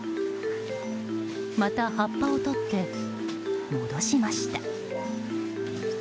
また、葉っぱを取って戻しました。